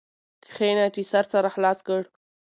کښېنه چي سر سره خلاص کړ.